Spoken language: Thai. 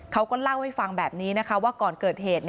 เขาก็เล่าให้ฟังแบบนี้นะคะว่าก่อนเกิดเหตุ